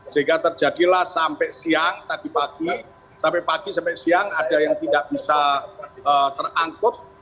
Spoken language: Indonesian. sehingga terjadilah sampai siang tadi pagi sampai pagi sampai siang ada yang tidak bisa terangkut